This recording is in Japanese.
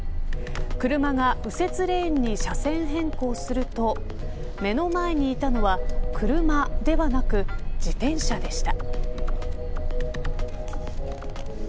車が右折レーンに車線変更すると目の前にいたのは車ではなく自転車でした。